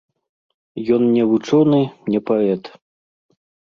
Ён не вучоны, не паэт.